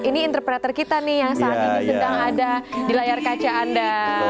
ini interpreter kita nih yang saat ini sedang ada di layar kaca anda